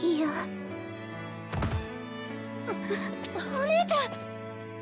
お姉ちゃん！